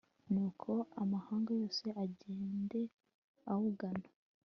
nuko amahanga yose agende awugana